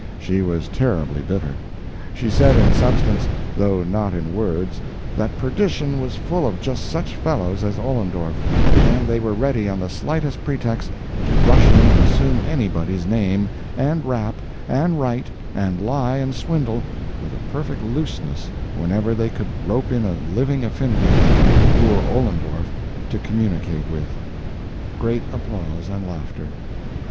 She was terribly bitter. She said in substance, though not in words, that perdition was full of just such fellows as Ollendorf, and they were ready on the slightest pretext to rush in and assume any body's name, and rap, and write, and lie, and swindle with a perfect looseness whenever they could rope in a living affinity like poor Ollendorf to communicate with! (Great applause and laughter.)